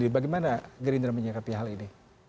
bagaimana gerindra menyikapi hal ini